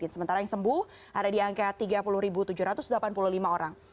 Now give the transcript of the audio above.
sementara yang sembuh ada di angka tiga puluh tujuh ratus delapan puluh lima orang